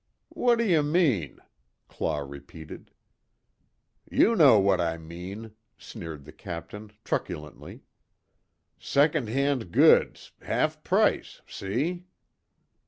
"What d'you mean?" Claw repeated. "You know what I mean," sneered the Captain, truculently, "Secondhand goods half price see?"